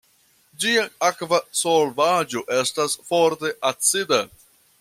Ĝia akva solvaĵo estas forte acida.